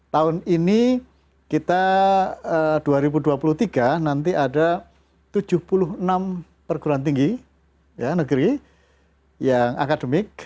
tahun ini kita dua ribu dua puluh tiga nanti ada tujuh puluh enam perguruan tinggi negeri yang akademik